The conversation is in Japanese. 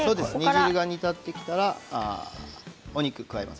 煮汁が煮立ってきたらお肉を加えます。